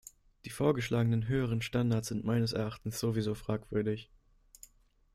Die vorgeschlagenen höheren Standards sind meines Erachtens sowieso fragwürdig.